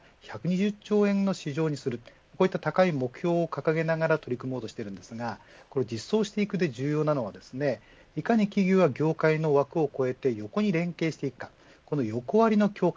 ２０５０年には１２０兆円の市場にするとこういった高い目標を掲げながら取り組もうとしていますが実装していく上で重要なのはいかに企業や業界の枠を超えて横に連携していくか。